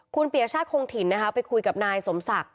คุณเปียชาติคงถิ่นนะคะไปคุยกับนายสมศักดิ์